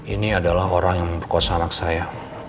ini adalah orang yang berkosa anak saya